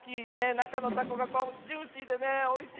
なかのたこがジューシーでねおいしいよね。